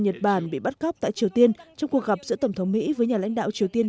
nhật bản bị bắt cóc tại triều tiên trong cuộc gặp giữa tổng thống mỹ với nhà lãnh đạo triều tiên